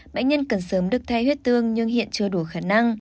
bệnh nhân cần sớm được thay huyết tương nhưng hiện chưa đủ khả năng